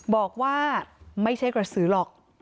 บอกว่าไม่ใช่กระสือหรอก